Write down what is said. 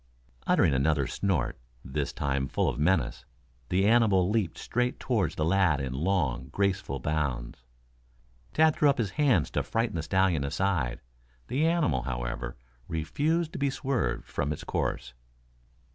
Uttering another snort, this time full of menace, the animal leaped straight toward the lad in long, graceful bounds. Tad threw up his hands to frighten the stallion aside. The animal, however, refused to be swerved from its course.